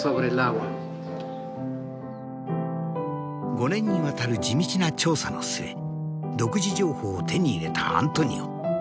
５年にわたる地道な調査の末独自情報を手に入れたアントニオ。